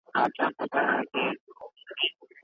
بې ګټي هیلي نه کېږي.